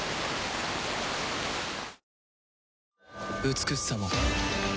美しさも